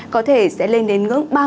có thể sẽ lên đến